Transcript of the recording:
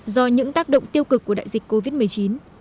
do những tác động tiêu cực của đại dịch covid một mươi chín